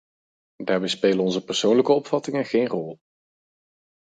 Daarbij spelen onze persoonlijke opvattingen geen rol.